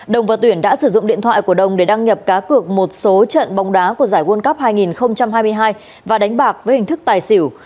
đồng và tuyển đã sử dụng điện thoại của đồng để đăng nhập cá cược một số trận bóng đá của giải world cup hai nghìn hai mươi hai và đánh bạc với hình thức tài xỉu